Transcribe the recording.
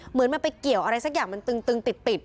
เหมือนมันไปเกี่ยวอะไรสักอย่างมันตึงติด